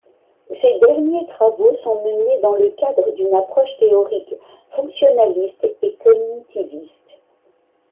Ses derniers travaux sont menés dans le cadre d’une approche théorique fonctionnaliste et cognitiviste.